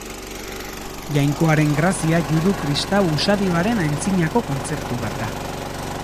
Jainkoaren Grazia judu-kristau usadioaren antzinako kontzeptu bat da.